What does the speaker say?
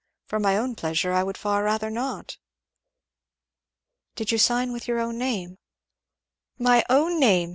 For my own pleasure, I would far rather not." "Did you sign with your own name?" "My own name!